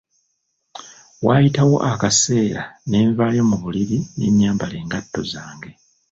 Waayitawo akaseera ne nvaayo mu buliri ne nyambala engatto zange.